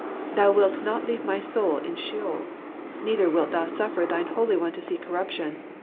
"Thou wilt not leave my soul in sheol ; neither wilt thou suffer thine Holy One to see corruption.